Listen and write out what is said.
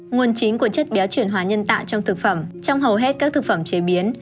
nguồn chính của chất béo chuyển hóa nhân tạo trong thực phẩm trong hầu hết các thực phẩm chế biến